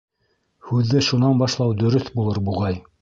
Һүҙҙе шунан башлау дөрөҫ булыр буғай.